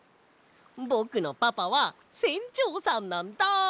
ぼくのパパはせんちょうさんなんだ！